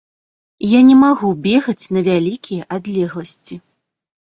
Я не магу бегаць на вялікія адлегласці.